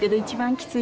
きつい？